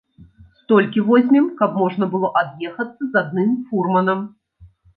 Столькі возьмем, каб можна было ад'ехацца з адным фурманам.